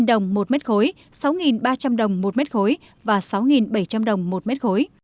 đồng một mét khối sáu ba trăm linh đồng một mét khối và sáu bảy trăm linh đồng một mét khối